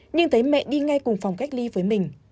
nhưng thấy mẹ đi ngay cùng phòng cách ly với mình